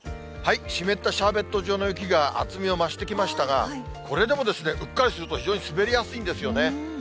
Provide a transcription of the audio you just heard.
湿ったシャーベット状の雪が厚みを増してきましたが、これでもうっかりすると非常に滑りやすいんですよね。